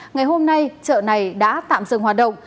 ngày hôm nay chợ này đã tạm dừng hoạt động